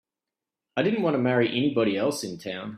I didn't want to marry anybody else in town.